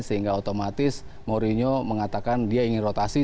sehingga otomatis mourinho mengatakan dia ingin rotasi